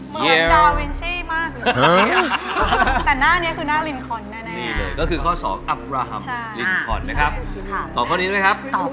เหมือนดาวินชี่มากเลย